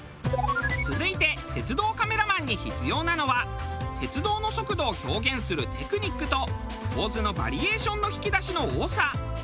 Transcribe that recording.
続いて鉄道カメラマンに必要なのは鉄道の速度を表現するテクニックと構図のバリエーションの引き出しの多さ。